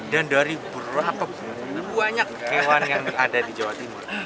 dari berapa banyak hewan yang berada di jawa timur